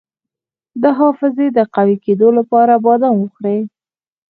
د حافظې د قوي کیدو لپاره بادام وخورئ